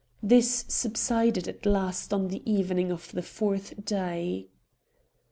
This subsided at last on the evening of the fourth day.